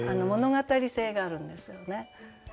物語性があるんですよね。